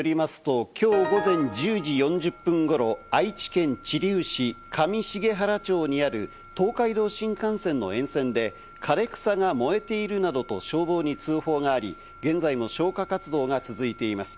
消防などによりますと、きょう午前１０時４０分ごろ、愛知県知立市上重原町にある東海道新幹線の沿線で、枯れ草が燃えているなどと消防に通報があり、現在も消火活動が続いています。